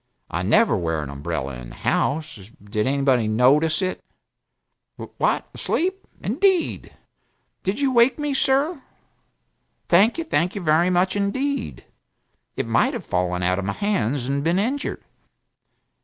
I never wear an umbrella in the house did anybody 'notice it'? What asleep? Indeed? And did you wake me sir? Thank you thank you very much indeed. It might have fallen out of my hands and been injured.